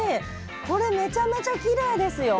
これめちゃめちゃきれいですよ。